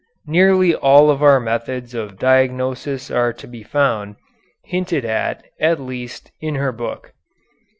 Nearly all of our methods of diagnosis are to be found, hinted at at least, in her book.